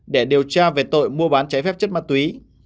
để điều tra về tội mua bán trái phép chất ma túy